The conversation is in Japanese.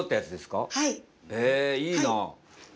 へぇいいな。